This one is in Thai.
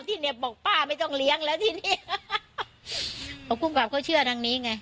พี่เนี่ยบอกป้าไม่ต้องเลี้ยงแล้วที่นี่เอาภูมิกรรพเขาเชื่อทางนี้ไง